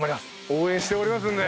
応援しておりますので。